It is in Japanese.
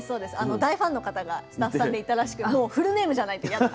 大ファンの方がスタッフさんでいたらしくフルネームじゃないと嫌だって。